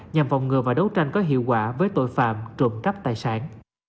nhằm vòng ngờ và đấu tranh có hiệu quả với tội phạm trộn cắp tài sản